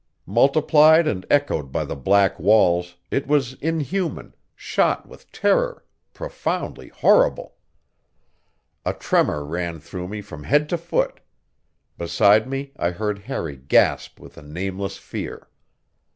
Multiplied and echoed by the black walls, it was inhuman, shot with terror, profoundly horrible. A tremor ran through me from head to foot; beside me I heard Harry gasp with a nameless fear.